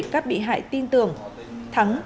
các bị hại tin tưởng thắng